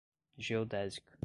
geodésica